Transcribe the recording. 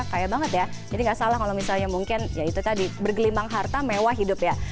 kaya banget ya jadi nggak salah kalau misalnya mungkin ya itu tadi bergelimbang harta mewah hidup ya